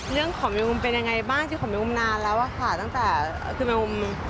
เรื่องขอมีมุมเป็นยังไงบ้างจริงขอมีมุมนานแล้วอะค่ะตั้งแต่คือมีมุม